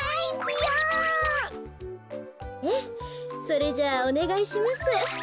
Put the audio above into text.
それじゃあおねがいします。